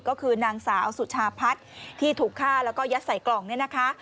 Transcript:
ก็คือนางสาวสุชาพัฒน์ที่ถูกฆ่าแล้วก็ยัดใส่กล่องเนี่ยนะคะ